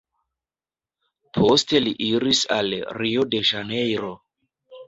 Poste li iris al Rio-de-Ĵanejro.